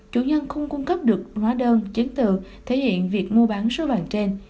chủ nhân không cung cấp được hóa đơn chiến tự thể hiện việc mua bán số bàn trên